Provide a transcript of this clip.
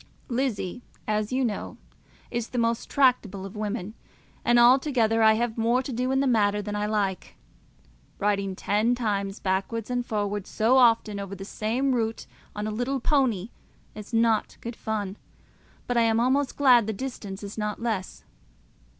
Lizzie, as you know, is not the most tractable of women, and altogether I have more to do in the matter than I like. Riding ten miles backwards and forwards so often over the same route on a little pony is not good fun, but I am almost glad the distance is not less.